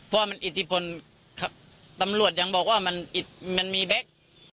เพราะมันอิทธิพลตำรวจยังบอกว่ามันมีแบ็ค